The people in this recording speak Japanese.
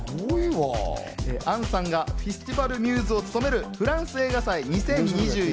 杏さんがフェスティバル・ミューズを務めるフランス映画祭２０２１